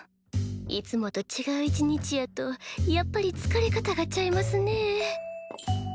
いつもとちがう一日やとやっぱりつかれ方がちゃいますねえ。